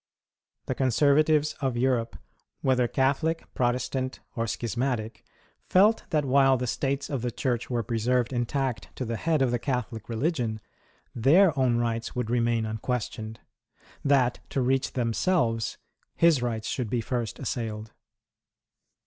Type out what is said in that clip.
The Conservatives of Europe, whether Catholic, Protestant, or Schismatic, felt that while the States of the Church were preserved intact to the Head of the Catholic religion, their own rights would remain unquestioned — that to reach themselves his rights should be first assailed.